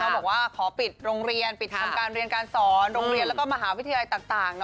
บอกว่าขอปิดโรงเรียนปิดทำการเรียนการสอนโรงเรียนแล้วก็มหาวิทยาลัยต่าง